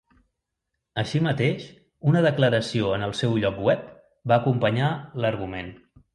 Així mateix, una declaració en el seu lloc web va acompanyar l'argument.